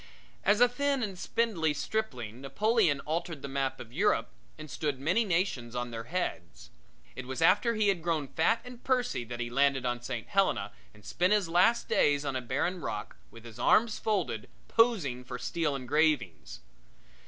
As a thin and spindly stripling Napoleon altered the map of Europe and stood many nations on their heads. It was after he had grown fat and pursy that he landed on St. Helena and spent his last days on a barren rock, with his arms folded, posing for steel engravings.